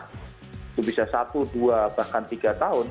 itu bisa satu dua bahkan tiga tahun